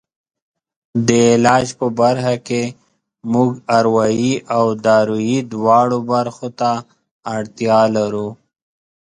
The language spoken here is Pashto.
د علاج په برخه کې موږ اروایي او دارویي دواړو برخو ته اړتیا لرو.